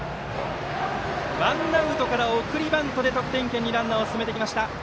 ワンアウトから送りバントで得点圏にランナーを進めてきました。